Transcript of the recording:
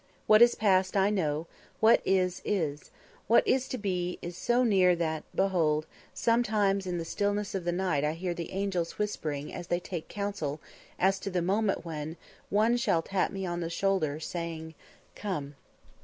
What is past I know; what is, is; what is to be, is so near that, behold, sometimes in the stillness of the night I hear the angels whispering as they take counsel as to the moment when, one shall tap me upon the shoulder, saying, 'Come!'"